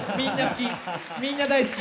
みんな好き。